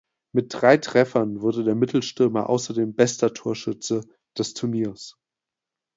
Mit drei Treffern wurde der Mittelstürmer außerdem bester Torschütze des Turniers.